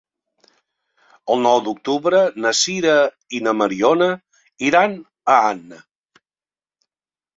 El nou d'octubre na Sira i na Mariona iran a Anna.